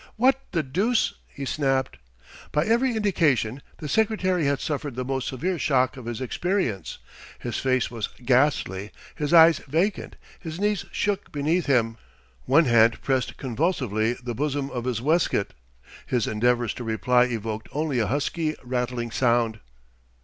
"What the deuce !" he snapped. By every indication the secretary had suffered the most severe shock of his experience. His face was ghastly, his eyes vacant; his knees shook beneath him; one hand pressed convulsively the bosom of his waistcoat. His endeavours to reply evoked only a husky, rattling sound.